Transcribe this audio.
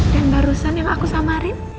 dan barusan yang aku samarin